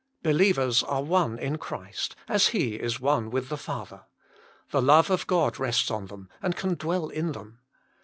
Believers are one in Christ, as He is one with the Father. The love of God rests on them, and can dwell in them.